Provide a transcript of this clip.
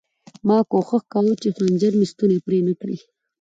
ما کوښښ کاوه چې خنجر مې ستونی پرې نه کړي